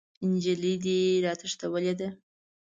نجلۍ دې راتښتولې ده!